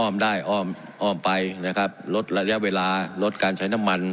ได้อ้อมอ้อมไปนะครับลดระยะเวลาลดการใช้น้ำมัน